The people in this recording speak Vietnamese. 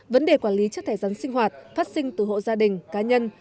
vấn đề quản lý chất thải rắn sinh hoạt phát sinh từ hộ gia đình cá nhân